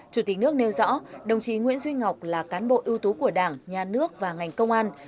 chủ tịch nước nêu rõ đồng chí nguyễn duy ngọc là cán bộ ưu tú của đảng nhà nước và ngành công an